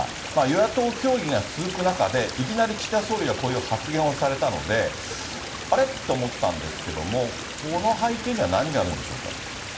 与野党協議が続く中で、いきなり岸田総理がこういう発言をされたので、あれ？って思ったんですけれども、この背景には何があるんでしょうか。